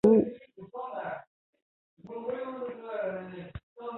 联苯是两个苯基相连形成的化合物。